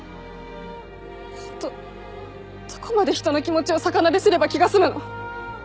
ホントどこまで人の気持ちを逆なですれば気が済むの？